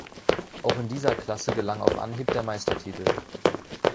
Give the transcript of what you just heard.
Auch in dieser Klasse gelang auf Anhieb der Meistertitel.